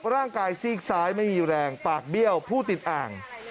ร่างกายซีกซ้ายไม่มีแรงปากเบี้ยวผู้ติดอ่าง